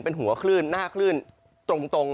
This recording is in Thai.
เป็นหัวขึ้นหน้าขึ้นตรง